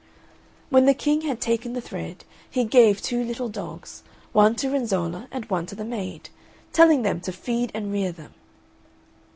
When the King had taken the thread, he gave two little dogs, one to Renzolla and one to the maid, telling them to feed and rear them.